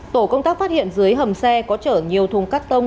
tổ công tác phát hiện dưới hầm xe có chở nhiều thùng cắt tông